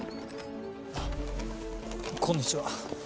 あっこんにちは。